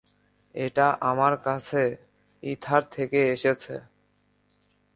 এটা আমার কাছে ইথার থেকে এসেছে।